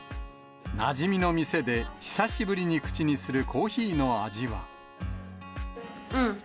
なじみの店で久しぶりに口にするコーヒーの味は。